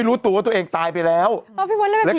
เป็นการกระตุ้นการไหลเวียนของเลือด